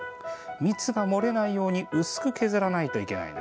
蜜がもれないように薄く削らないといけません。